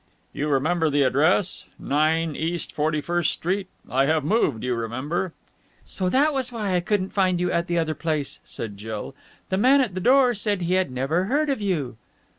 "You remember the address? Nine East Forty first Street. I have moved, you remember." "So that was why I couldn't find you at the other place," said Jill. "The man at the door said he had never heard of you."